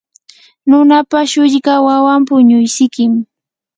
nanapa shulka wawan punuysikim.